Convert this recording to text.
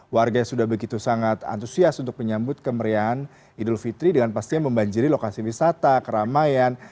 warga sudah begitu sangat antusias untuk menyambut kemeriahan idul fitri dengan pastinya membanjiri lokasi wisata keramaian